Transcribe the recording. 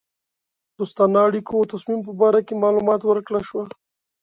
دوستانه اړېکو او تصمیم په باره کې معلومات ورکړه شوه.